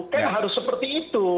kan harus seperti itu